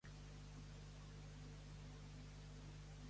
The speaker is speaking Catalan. De quina manera ha trivialitzat Ciutadans els actes agressius?